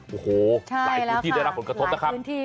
โอ้โหหลายพื้นที่ได้รับผลกระทบนะครับ